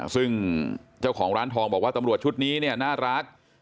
ซึ่งเจ้าของร้านทองบอกว่าตำรวจชุดนี้เนี่ยน่ารัก